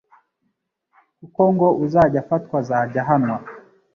kuko ngo uzajya afatwa azajya ahanwa